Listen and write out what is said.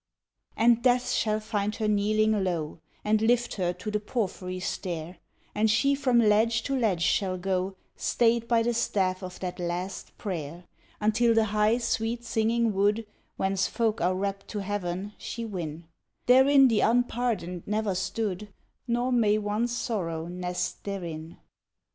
And Death shall find her kneeling low, And lift her to the porphyry stair, And she from ledge to ledge shall go, Stayed by the staff of that last prayer, Until the high, sweet singing wood Whence folk are rapt to heaven, she win; Therein the unpardoned never stood, Nor may one Sorrow nest therein.